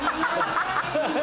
ハハハ！